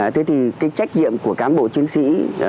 thế thì cái trách nhiệm của cán bộ chiến sĩ